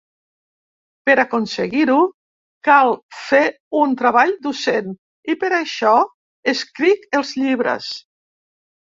Per aconseguir-ho, cal fer un treball docent, i per això escric els llibres.